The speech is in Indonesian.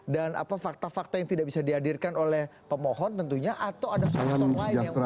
dan fakta fakta yang tidak bisa dihadirkan oleh pemohon tentunya atau ada fakta lain yang anda baca